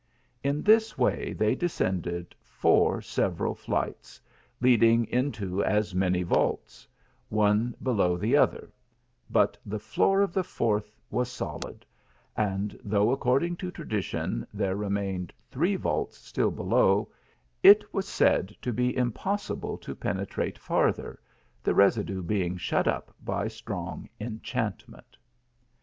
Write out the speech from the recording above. In this way they descended four several flights, leading into as many vaults, one below the other, but the floor of the fourth was solid, and though, according to tradition, there remained three vaults still below, it was said to be impossible to penetrate further, the residue being shut up by sli ing enchantment.